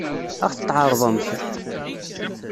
Ad ɣ-t-tɛeṛḍemt?